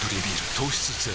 糖質ゼロ